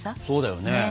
そうだよね。